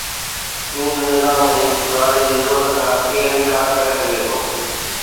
چونڊ نظام جي سڌاري جي ضرورت کان ڪير انڪار ڪري سگهي ٿو؟